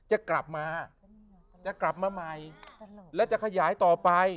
จะกลับมาจะกลับมาใหม่แล้วจะขยายต่อไป